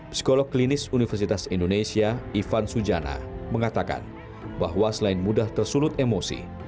psikolog klinis universitas indonesia ivan sujana mengatakan bahwa selain mudah tersulut emosi